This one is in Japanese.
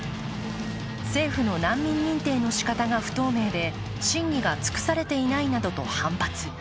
政府の難民認定のしかたが不透明で審議が尽くされていないなどと反発。